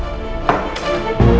memang harus beritabity